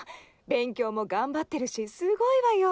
勉強も頑張ってるしすごいわよ。